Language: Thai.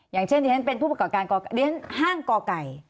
อย่างเช่นเป็นผู้ประกอบการก่อไก่ห้างก่อไก่